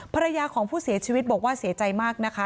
ภรรยาของผู้เสียชีวิตบอกว่าเสียใจมากนะคะ